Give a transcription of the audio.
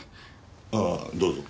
ああどうぞ。